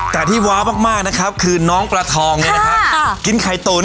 แต่ที่ว้าวมากนะครับคือน้องปลาทองเนี่ยนะครับกินไข่ตุ๋น